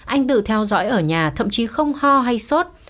anh tự theo dõi ở nhà thậm chí không ho hay sốt